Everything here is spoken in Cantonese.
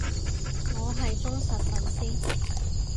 我係忠實粉絲